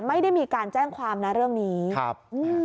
ไม่ได้มีการแจ้งความนะเรื่องนี้ครับอืม